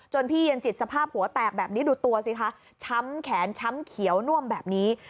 พี่เย็นจิตสภาพหัวแตกแบบนี้ดูตัวสิคะช้ำแขนช้ำเขียวน่วมแบบนี้